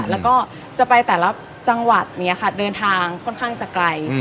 แล้วก็จะไปแต่ละจังหวัดเดินทางค่อนข้างจะไกล